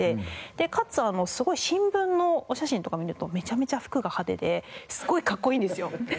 かつ新聞のお写真とかを見るとめちゃめちゃ服が派手ですごいかっこいいんですよ。